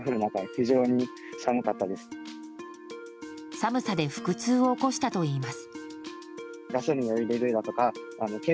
寒さで腹痛を起こしたといいます。